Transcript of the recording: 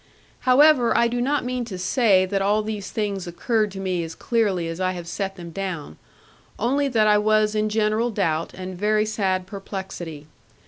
However I do not mean to say that all these things occurred to me as clearly as I have set them down; only that I was in general doubt, and very sad perplexity.